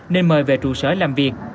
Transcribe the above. nên mời về trụ sở làm việc